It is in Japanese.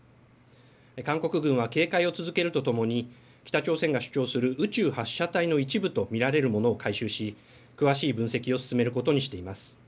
韓国軍は警戒を続けるとともに北朝鮮が主張する宇宙発射体の一部と見られるものを回収し詳しい分析を進めることにしています。